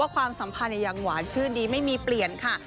ความสัมพันธ์ยังหวานชื่นดีไม่มีเปลี่ยนค่ะ